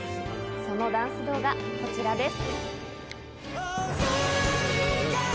そのダンス動画、こちらです。